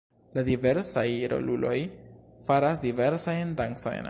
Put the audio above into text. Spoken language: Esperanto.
La diversaj roluloj faras diversajn dancojn.